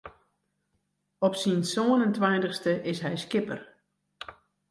Op syn sân en tweintichste is hy skipper.